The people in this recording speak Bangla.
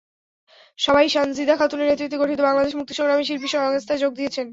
সবাই সন্জীদা খাতুনের নেতৃত্বে গঠিত বাংলাদেশ মুক্তি সংগ্রামী শিল্পী সংস্থায় যোগ দিয়েছেন।